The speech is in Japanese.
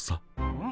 「うん？